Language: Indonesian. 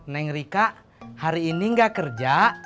neng rika hari ini nggak kerja